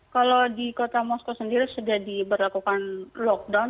kalau di kota moskow sendiri sudah diberlakukan lockdown